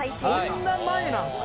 そんな前なんすか？